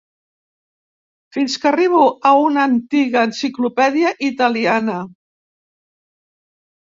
Fins que arribo a una antiga enciclopèdia italiana.